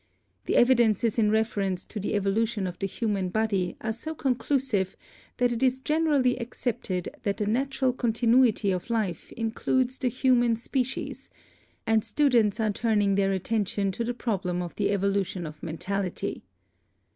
The evi dences in reference to the evolution of the human body are so conclusive that it is generally accepted that the natural continuity of life includes the human species, and students are turning their attention to the problem of the evolution of mentality.